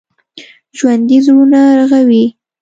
ژوندي زړونه رغوي